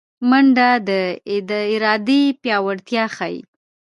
منډه د ارادې پیاوړتیا ښيي